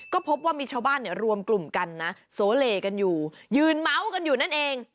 ก็พบว่ามีชาวบ้านเนี่ยรวมกลุ่มกันนะโสเลกันอยู่ยืนเมาส์กันอยู่นั่นเอง